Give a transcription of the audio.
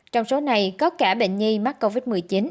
trong số này có cả bệnh nhi mắc covid một mươi chín